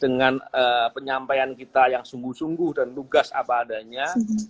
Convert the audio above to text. dengan penyampaian kita yang sungguh sungguh dan lugas apa adanya